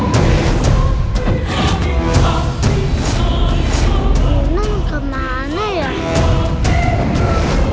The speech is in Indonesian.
nisam kemana ya